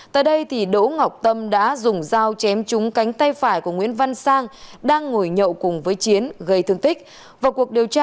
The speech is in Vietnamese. tại đây đỗ ngọc tâm đã dùng dao chém trúng cánh tay phải của nguyễn văn sang đang ngồi nhậu cùng nguyễn văn sang